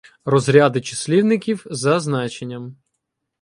Розряди числівників за значенням